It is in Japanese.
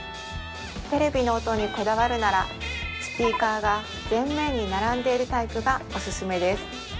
テレビの音にこだわるならスピーカーが前面に並んでいるタイプがオススメです